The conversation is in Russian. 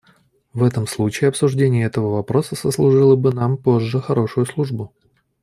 В этом случае обсуждение этого вопроса сослужило бы нам позже хорошую службу.